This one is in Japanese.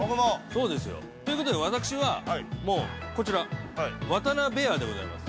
◆そうですよ。ということで私は、もうこちら、わたなベアーでございます。